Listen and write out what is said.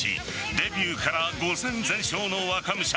デビューから５戦全勝の若武者